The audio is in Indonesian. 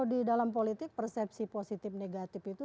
di dalam politik persepsi positif negatif itu